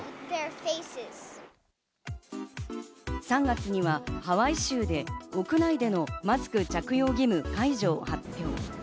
３月にはハワイ州で屋内でのマスク着用義務解除を発表。